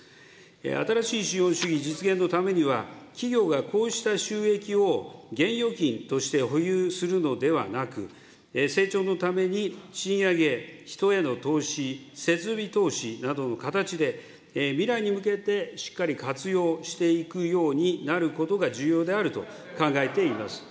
新しい資本主義実現のためには、企業がこうした収益を現預金として保有するのではなく、成長のために賃上げ、人への投資、設備投資などの形で、未来に向けて、しっかり活用していくようになることが重要であると考えています。